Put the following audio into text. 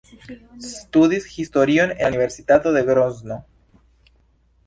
Studis historion en la Universitato de Grozno.